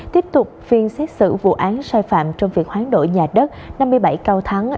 tiếp tục phiên xét xử vụ án sai phạm trong việc hoán đổi nhà đất năm mươi bảy cao thắng